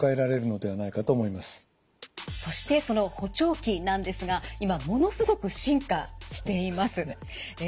そしてその補聴器なんですが今ものすごく進化しています。